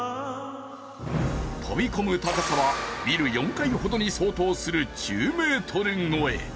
飛び込む高さはビル４階ほどに相当する１０ｍ越え。